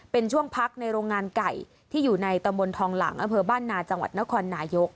เป็นช่วงพักในโรงงานไก่ที่อยู่ในตำบลทองหลังอำเภอบ้านนาจังหวัดนครนายก